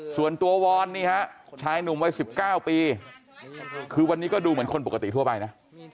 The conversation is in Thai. ส่วนตัววอนนี่ฮะชายหนุ่มวัย๑๙ปีคือวันนี้ก็ดูเหมือนคนปกติทั่วไปนะ